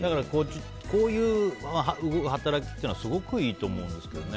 こういう働きっていうのはすごいいいと思うんですけどね。